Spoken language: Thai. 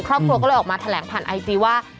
ครอบครัวก็เลยออกมาแถลงผ่านไอจีว่า